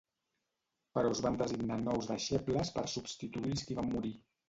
Però es van designar nous deixebles per substituir els qui van morir.